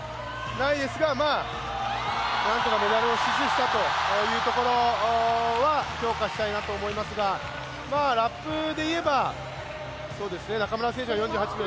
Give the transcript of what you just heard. ないですが、まあなんとかメダルを死守したというところは評価したいなと思いますがラップで言えば中村選手が４８秒